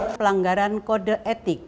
pelanggaran kode etik